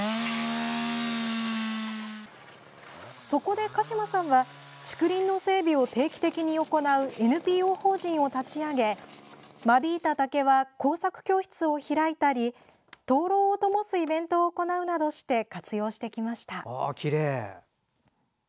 そこで、鹿嶋さんは竹林の整備を定期的に行うＮＰＯ法人を立ち上げ間引いた竹は工作教室を開いたり灯籠をともすイベントを行うなどして活用してきました。